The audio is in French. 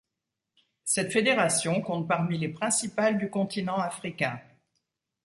Cette fédération compte parmi les principales du continent africain.